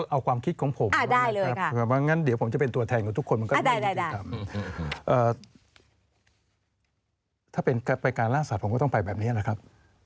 เอาความคิดของผมว่างั้นเดี๋ยวผมจะเป็นตัวแทนกับทุกคนมันก็ไม่ยุติธรรมถ้าเป็นไปการล่าสัตว์ผมก็ต้องไปแบบนี้นะครับ